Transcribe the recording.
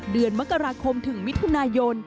เดือนมกราคมถึงมิถุนายน